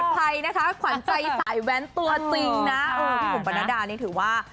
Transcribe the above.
พี่บุ๋มปนดาดาเนี่ยถือว่า